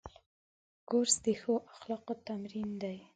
کورس د ښو اخلاقو تمرین دی.